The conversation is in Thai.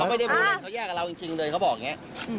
ไม่ได้พูดอะไรเขาแยกกับเราจริงเลยเขาบอกอย่างนี้